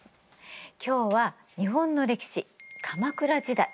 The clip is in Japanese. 今日は日本の歴史鎌倉時代。